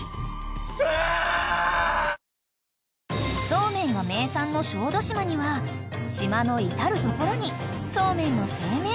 ［そうめんが名産の小豆島には島の至る所にそうめんの製麺